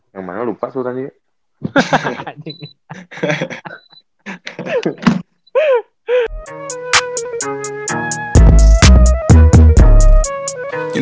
yang mana lupa tuh tadi